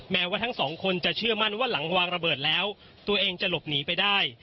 ว่าทั้งสองคนจะเชื่อมั่นว่าหลังวางระเบิดแล้วตัวเองจะหลบหนีไปได้